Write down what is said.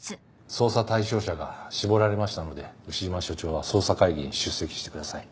捜査対象者が絞られましたので牛島署長は捜査会議に出席してください。